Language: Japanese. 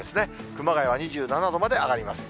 熊谷は２７度まで上がります。